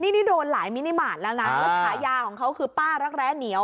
นี่โดนหลายมินิมาตรแล้วนะแล้วฉายาของเขาคือป้ารักแร้เหนียว